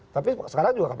tapi sekarang juga